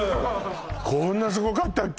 こんなすごかったっけ？